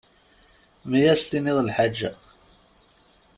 Mi as-tenniḍ lḥaǧa.